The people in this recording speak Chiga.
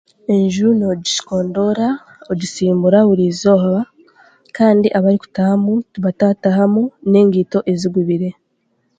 Enju n'ojikondoora ogisumuura burizooba kandi abari kutahamu batatahamu n'engito zigubire.